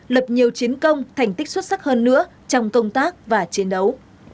lập nhiều chiến công thành tích xuất sắc hơn nữa trong công tác và chiến đấu